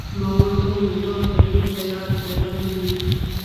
ما ورته وویل: واخله، لیک تیار دی، دا دی لیک.